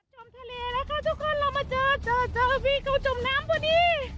มทะเลแล้วค่ะทุกคนเรามาเจอเจอพี่เขาจมน้ำพอดี